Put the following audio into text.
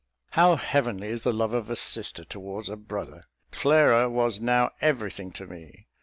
How heavenly is the love of a sister towards a brother! Clara was now everything to me.